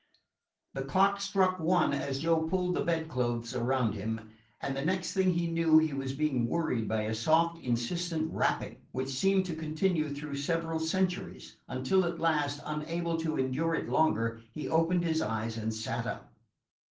The clock struck one as Joe pulled the bedclothes around him; and the next he knew he was being worried by a soft, insistent rapping, which seemed to continue through several centuries, until at last, unable to endure it longer, he opened his eyes and sat up.